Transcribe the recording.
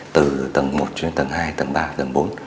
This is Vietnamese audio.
từ tầng một đến tầng hai tầng ba tầng bốn